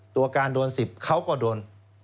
ตัวการโดน๑๐เขาก็โดน